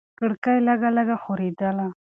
کړکۍ لږه لږه ښورېدله.